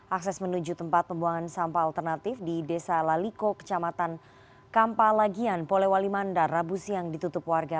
akses menuju tempat pembuangan sampah alternatif di desa laliko kecamatan kampalagian polewali mandar rabu siang ditutup warga